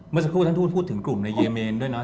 เมื่อสักครู่ท่านทูตพูดถึงกลุ่มในเยเมนด้วยเนอ